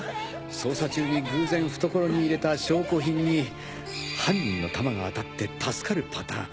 捜査中に偶然懐に入れた証拠品に犯人の弾が当たって助かるパターン。